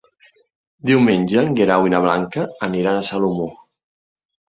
Diumenge en Guerau i na Blanca aniran a Salomó.